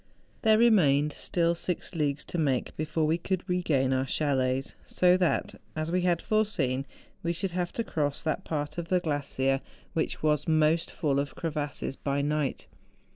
There remained still six leagues to make before we could regain our chalets; so that, as we had foreseen, we should have to cross that part of the glacier which was most full of crevasses by night.